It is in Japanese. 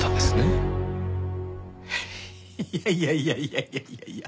いやいやいやいやいやいやいや。